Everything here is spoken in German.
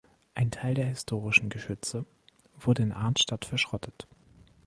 Ein Teil der historischen Geschütze wurde in Arnstadt verschrottet.